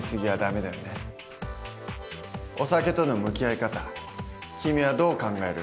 お酒との向き合い方君はどう考える？